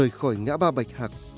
rời khỏi ngã ba bạch hạc